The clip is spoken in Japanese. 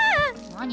何？